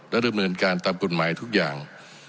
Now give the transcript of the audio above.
และดำเนินการตามกฎหมายทุกอย่าง